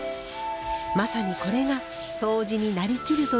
まさにこれが「そうじになりきる」という境地。